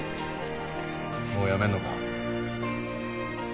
もうやめんのか？